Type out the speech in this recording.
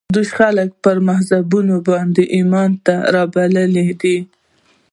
دوی خلک پر مذهبونو باندې ایمان ته رابللي دي